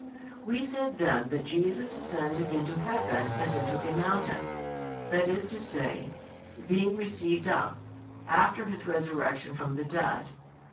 We said then that Jesus ascended into Heaven as into a mountain, that is to say, being received up, after His resurrection from the dead.